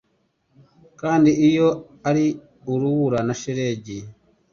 Kandi iyo ari urubura na shelegi